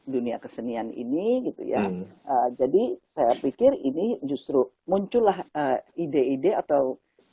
dunia kesenian ini gitu ya jadi saya pikir ini justru muncullah ide ide atau